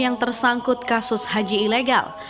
yang tersangkut kasus haji ilegal